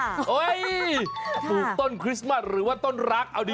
เฮ้ยปลูกต้นคริสต์มัสหรือว่าต้นรักเอาดี